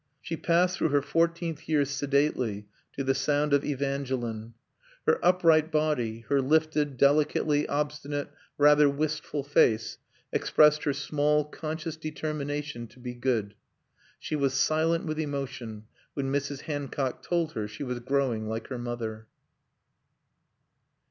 She passed through her fourteenth year sedately, to the sound of Evangeline. Her upright body, her lifted, delicately obstinate, rather wistful face expressed her small, conscious determination to be good. She was silent with emotion when Mrs. Hancock told her she was growing like her mother.